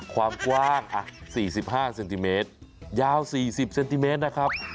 ความกว้าง๔๕เซนติเมตรยาว๔๐เซนติเมตรนะครับ